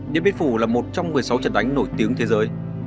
điện biên phủ là một trong một mươi sáu trận đánh nổi tiếng thế giới